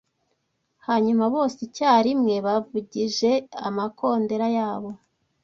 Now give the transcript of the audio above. Hanyuma bose icyarimwe bavugije amakondera yabo